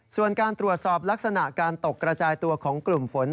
ส่วนการตรวจสอบลักษณะการตกกระจายตัวของกลุ่มฝน